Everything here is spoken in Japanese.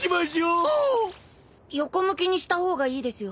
横向きにした方がいいですよ。